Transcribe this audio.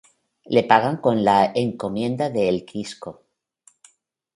Le pagan con la Encomienda de El Quisco.